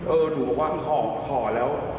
หนูบอกว่าขอแล้ว